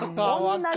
同じ。